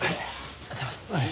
ありがとうございます。